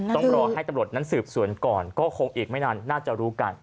ต้องรอให้ตำรวจนั้นสืบสวนก่อนก็คงอีกไม่นานน่าจะรู้กัน